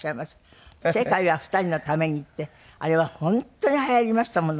『世界は二人のために』ってあれは本当にはやりましたものね。